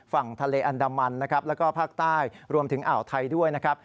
ฝั่งทะเลอันดามันแล้วก็ภาคใต้รวมถึงอ่าวไทยด้วย